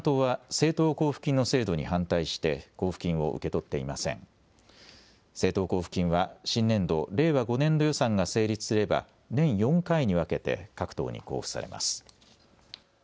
政党交付金は新年度・令和５年度予算が成立すれば年４回に分けて各党に交付されます。